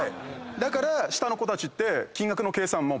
だから下の子たちって。